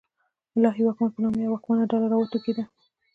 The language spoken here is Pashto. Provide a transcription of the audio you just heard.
د الهي واکمن په نامه یوه واکمنه ډله راوټوکېده.